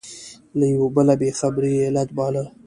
له یوه بله بې خبري یې علت باله.